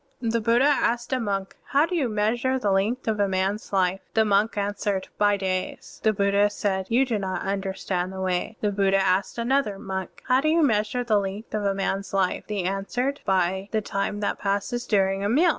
(38) The Buddha asked a monk, "How do you measure the length of a man's life?" The monk answered, "By days." The Buddha said, "You do not tmderstand the Way." The Buddha asked another monk, "How do you measure the length of a man's life?" The monk answered, " By the time that passes during a meal."